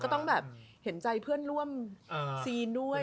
เข้าสภายใจเพื่อนร่วมสีนด้วย